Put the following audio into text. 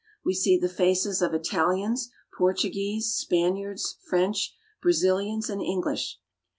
We see the faces of Italians, Portuguese, Spaniards, French, Brazilians, and English.